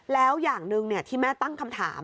แล้วอย่างหนึ่งที่แม่ตั้งคำถาม